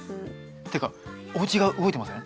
っていうかおうちが動いてません？